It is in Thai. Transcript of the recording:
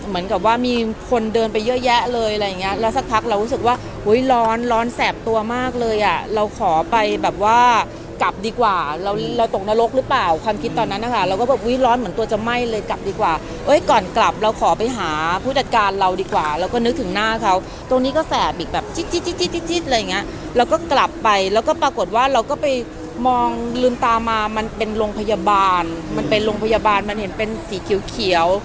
มากเลยอ่ะเราขอไปแบบว่ากลับดีกว่าเราตกนรกหรือเปล่าความคิดตอนนั้นนะคะเราก็บอกว่าอุ๊ยร้อนเหมือนตัวจะไหม้เลยกลับดีกว่าเฮ้ยก่อนกลับเราขอไปหาผู้จัดการเราดีกว่าเราก็นึกถึงหน้าเขาตรงนี้ก็แสบอีกแบบจิ๊ดอะไรอย่างเงี้ยเราก็กลับไปแล้วก็ปรากฏว่าเราก็ไปมองลืมตามามันเป็นโรงพยาบาลมันเป็นโรงพย